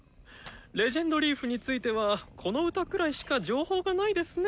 「レジェンドリーフ」についてはこの歌くらいしか情報がないですね。